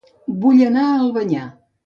Vull anar a Albanyà